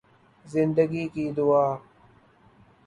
زندگی کی دعا